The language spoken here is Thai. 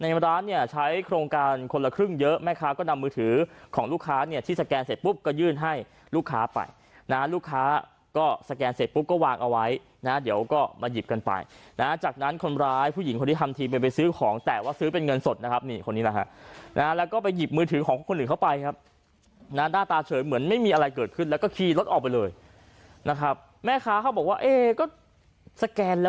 ว่าเนี่ยสแกนเสร็จปุ๊บก็ยืนให้ลูกค้าไปลูกค้าก็สแกนเสร็จปุ๊บก็วางเอาไว้เดี๋ยวก็มาหยิบกันไปนะจากนั้นคนร้ายผู้หญิงคนนี้ทำทีมันไปซื้อของแตะว่าซื้อเป็นเงินสดครับมีคนนี้แล้วหานะ